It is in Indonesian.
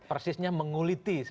persisnya menguliti sebenarnya